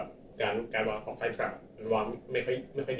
สุดท้ายเนี่ยมันทำให้ของไฟฟ้าร์มเป็นการเล่นเกมไม่ได้มายาก